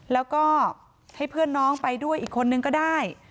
แล้วก็ให้เพื่อนน้องไปด้วยอีกคนนึงก็ได้